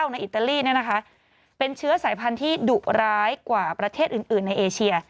อิตาลีเป็นเชื้อสายพันธุ์ที่ดุร้ายกว่าประเทศอื่นในเอเชีย